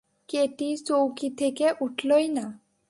Katie চৌকি থেকে উঠলই না।